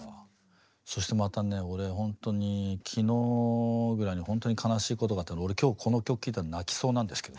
そしてまた俺ほんとに昨日ぐらいにほんとに悲しいことがあって俺今日この曲聴いたら泣きそうなんですけど。